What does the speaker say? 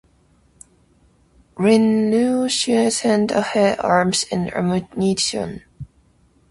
Rinuccini sent ahead arms and ammunition.